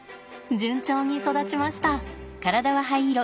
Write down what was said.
順調に育ちました。